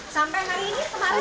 sampai hari ini kemarin